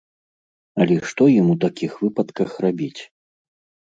Але што ім у такіх выпадках рабіць?